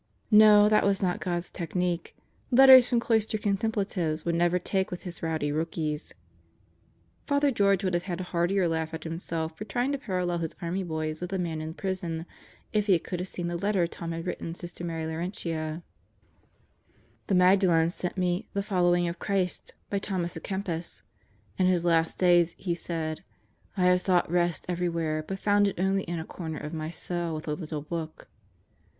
No, that was not God's technique. Letters from cloistered contemplatives would never take with his rowdy rookies. Christmas Gifts 137 Father George would have had a heartier laugh at himself for trying to parallel his army boys with the man in prison if he could have seen the letter Tom had written Sister Mary Lauren tia: "The Magdalens sent me The Following of Christ by Thomas a Kempis. In his last days he said: 'I have sought rest every where, but found it only in a corner of my cell with a little book.'